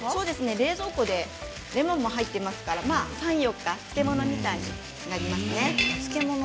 冷蔵庫でレモンも入ってますから３、４日漬物みたいになりますね。